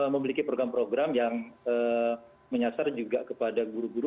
memiliki program program yang menyasar juga kepada guru guru